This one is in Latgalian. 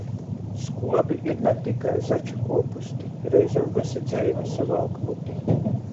Skuobi ir na tikai zača kuopusti. Reizem vysa dzeive savalk muti.